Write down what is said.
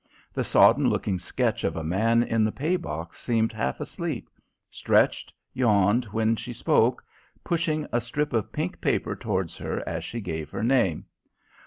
The sodden looking sketch of a man in the pay box seemed half asleep; stretched, yawned when she spoke, pushing a strip of pink paper towards her as she gave her name.